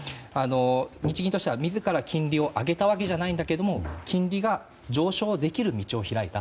日銀としては自ら金利を上げたわけじゃないんだけど金利が上昇できる道を開いた。